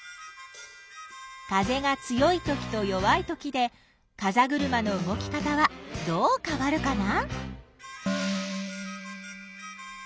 風が強いときと弱いときでかざぐるまの動き方はどうかわるかな？